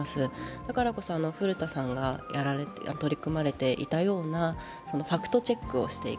だからこそ古田さんが取り組まれていたような、ファクトチェックをしていく。